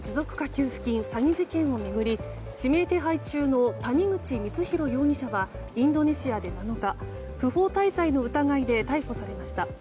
給付金詐欺事件を巡り指名手配中の谷口光弘容疑者はインドネシアで７日不法滞在の疑いで逮捕されました。